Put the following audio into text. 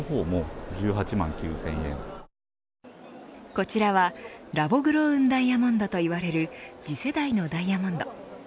こちらはラボグロウンダイヤモンドと呼ばれる次世代のダイヤモンド。